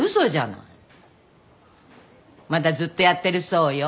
まだずっとやってるそうよ。